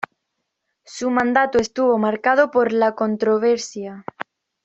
Su mandato estuvo marcado por la controversia.